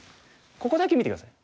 ここだけ見て下さい。